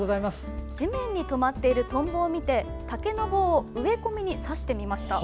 地面に止まっているとんぼを見て竹の棒を植え込みに挿してみました。